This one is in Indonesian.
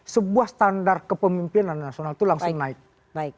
sebuah standar kepemimpinan nasional itu langsung naik